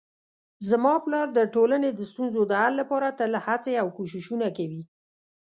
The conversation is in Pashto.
زما پلار د ټولنې د ستونزو د حل لپاره تل هڅې او کوښښونه کوي